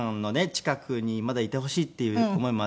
近くにまだいてほしいっていう思いもあって。